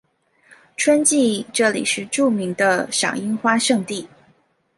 春季这里是著名的赏樱花胜地。